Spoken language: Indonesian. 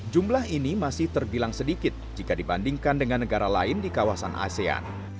jumlah ini masih terbilang sedikit jika dibandingkan dengan negara lain di kawasan asean